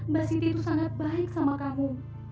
mbak siti itu sangat baik sama kamu